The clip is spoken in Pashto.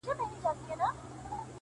په خپل زړه کي د مرګې پر کور مېلمه سو،